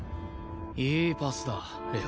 いいパスだ玲王。